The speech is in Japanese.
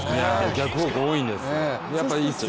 逆方向多いんですよ。